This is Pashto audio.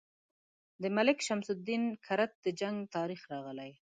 د ملک شمس الدین کرت د جنګ تاریخ راغلی.